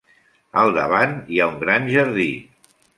Al davant hi ha un gran jardí.